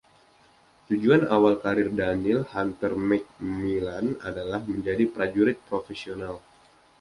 Tujuan awal karier Daniel Hunter McMilan adalah menjadi prajurit profesional.